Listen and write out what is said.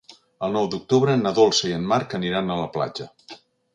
El nou d'octubre na Dolça i en Marc aniran a la platja.